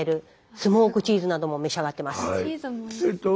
スモークチーズなども召し上がってます。